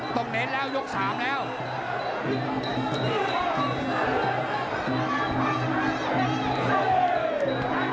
แหลงซ้ายได้มั้ย